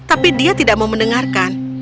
tapi dia tidak mau mendengarkan